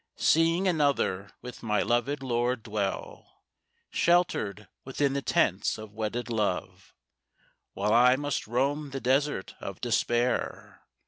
Seeing another with my loved lord dwell Sheltered within the tents of wedded love While I must roam the desert of Despair?